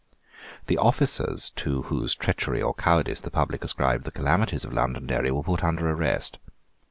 The officers to whose treachery or cowardice the public ascribed the calamities of Londonderry were put under arrest.